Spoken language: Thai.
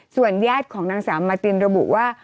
ส่วนญาติของนางสาวมาตินระบุว่า